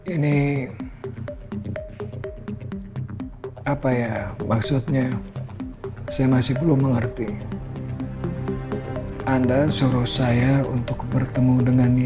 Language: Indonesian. ini apa ya maksudnya saya masih belum mengerti anda suruh saya untuk bertemu dengan